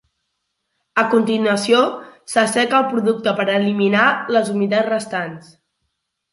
A continuació s'asseca el producte per eliminar les humitats restants.